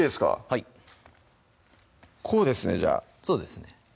はいこうですねじゃあそうですね